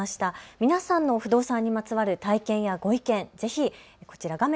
皆さんの不動産にまつわる体験やご意見をぜひこちら画面